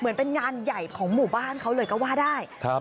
เหมือนเป็นงานใหญ่ของหมู่บ้านเขาเลยก็ว่าได้ครับ